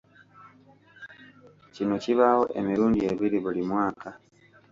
Kino kibaawo emirundi ebiri buli mwaka.